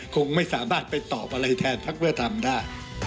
คงไม่สามารถไปตอบอะไรแทนพักเพื่อทำได้